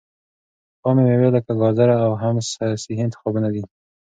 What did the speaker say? خامې مېوې لکه ګاځره او حمص صحي انتخابونه دي.